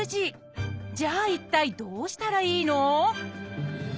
じゃあ一体どうしたらいいの？